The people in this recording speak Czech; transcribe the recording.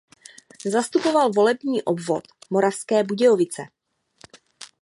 Zastupoval volební obvod Moravské Budějovice.